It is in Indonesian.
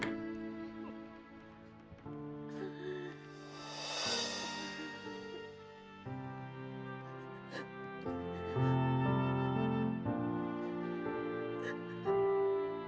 kaka akan buktikan semuanya li